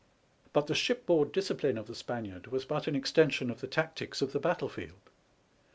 But the shipboard discipline of the Spaniard was but an extension of the tactics of the battlefield.